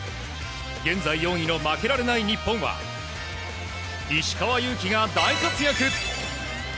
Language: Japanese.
現在４位の負けられない日本は石川祐希が大活躍！